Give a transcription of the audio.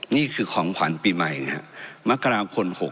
นี่คือของขวัญปีใหม่ครับ